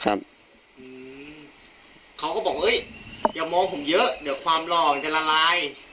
เขาก็บอกเฮ้ยอย่ามองผมเยอะเดี๋ยวความหล่อมันจะละลาย